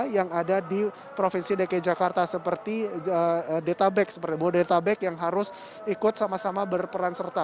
yang ada di provinsi dki jakarta seperti bodetabek yang harus ikut sama sama berperan serta